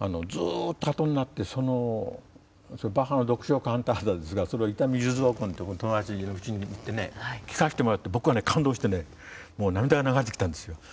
ずっとあとになってそのバッハの独唱カンタータですが伊丹十三君ってお友達のうちに行ってね聴かせてもらって僕はね感動してねもう涙が流れてきたんですよ。